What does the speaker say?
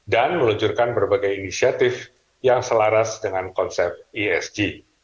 dan meluncurkan berbagai inisiatif yang selaras dengan konsep esg